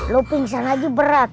lo pingsan aja berat